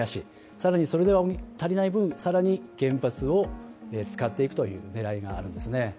更にそれでは足りない分更に原発を使っていくという狙いがあるんですね。